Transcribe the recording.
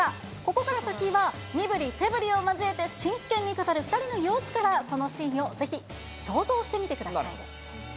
ここから先は、身ぶり手ぶりを交えて真剣に語る２人の様子から、そのシーンをぜひ想像してみてください。